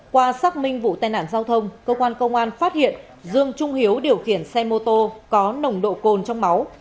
qua xác minh vụ tai nạn giao thông cơ quan công an phát hiện dương trung hiếu điều khiển xe mô tô có nồng độ cồn trong máu